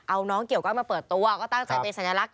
เอาน้องเกี่ยวก้อยมาเปิดตัวก็ตั้งใจเป็นสัญลักษณ